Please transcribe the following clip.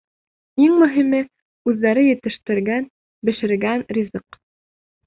Иң мөһиме: үҙҙәре етештергән-бешергән ризыҡ.